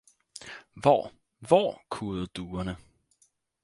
Hvor? hvor? kurrede duerne!